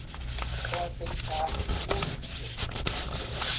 Só tem carro por vir